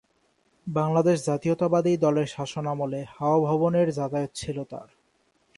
বাংলাদেশ জাতীয়তাবাদী দলের শাসনামলে হাওয়া ভবনের যাতায়াত ছিল তার।